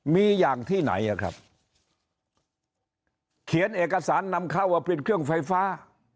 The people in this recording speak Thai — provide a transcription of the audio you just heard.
มีอย่างที่ไหนอ่ะครับเขียนเอกสารนำเข้าว่าเป็นเครื่องไฟฟ้า